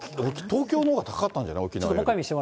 東京のほうが高かったんじゃない、沖縄より。